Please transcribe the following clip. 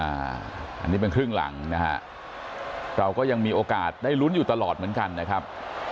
อันนี้เป็นครึ่งหลังนะฮะเราก็ยังมีโอกาสได้ลุ้นอยู่ตลอดเหมือนกันนะครับ